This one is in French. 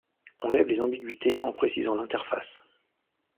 On lève les ambiguïtés en précisant l'interface.